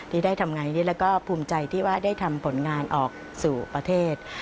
ที่ได้ทำงานนี้แล้วก็ภูมิใจที่ว่าได้ทำผลงานออกสู่ประเทศ